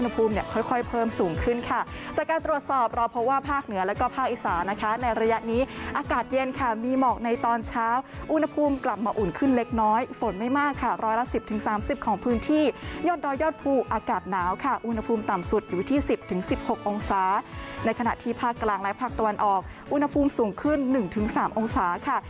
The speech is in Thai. คุณผู้ชมกลับมาอุ่นขึ้นเล็กน้อยฝนไม่มากค่ะรออกราศี๑๐๓๐กว่าของพื้นที่ยอดเพลิงอากาศหนาวค่ะอุณหภูมิต่ำสุดอยู่ที่ศุกร์ถึง๑๐๑๖องศาในขณะที่ภาคกลางและภาคตะวันออกอุณหภูมิสูงขึ้น๑๓องศาค่ะ